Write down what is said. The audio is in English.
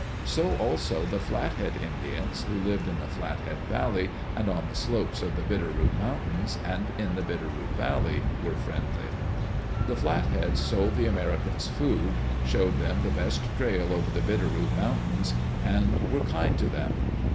So also the Flathead Indians, who lived in the Flathead Valley and on the slopes of the Bitter Root Mountains and in the Bitter Root Valley, were friendly. The Flatheads sold the Americans food, showed them the best trail over the Bitter Root Mountains, and were kind to them.